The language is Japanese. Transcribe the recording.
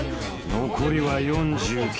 ［残りは４９回］